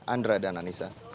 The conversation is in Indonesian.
andra dan anissa